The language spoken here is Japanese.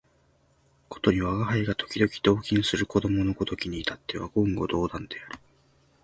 ことに吾輩が時々同衾する子供のごときに至っては言語道断である